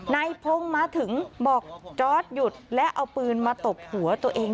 นายพงศ์มาถึงบอกจอร์ดหยุดและเอาปืนมาตบหัวตัวเอง